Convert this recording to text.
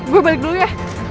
gua balik dulu ya